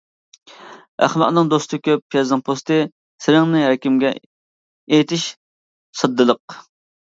ئەخمەقنىڭ دوستى كۆپ پىيازنىڭ پوستى، سىرىڭنى ھەركىمگە ئېيتىش ساددىلىق.